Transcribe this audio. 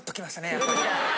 やっぱり。